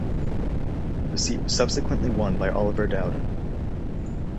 The seat was subsequently won by Oliver Dowden.